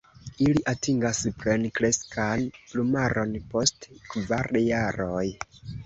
Ili atingas plenkreskan plumaron post kvar jaroj.